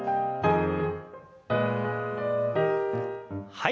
はい。